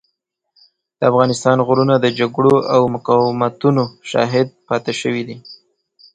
د افغانستان غرونه د جګړو او مقاومتونو شاهد پاتې شوي دي.